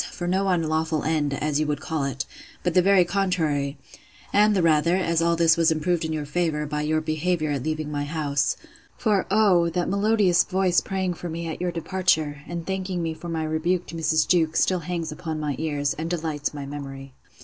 for no unlawful end, as you would call it; but the very contrary: and the rather, as all this was improved in your favour, by your behaviour at leaving my house: For, oh! that melodious voice praying for me at your departure, and thanking me for my rebuke to Mrs. Jewkes, still hangs upon my ears, and delights my memory.